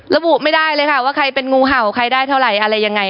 ระบุไม่ได้เลยค่ะว่าใครเป็นงูเห่าใครได้เท่าไหร่อะไรยังไง